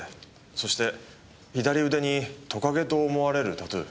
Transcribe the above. そして左腕にトカゲと思われるタトゥー。